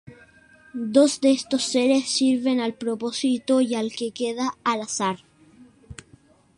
Dos de estos seres sirven al propósito, y el que queda al azar.